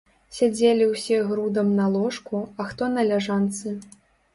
Сядзелі ўсе грудам на ложку, а хто на ляжанцы.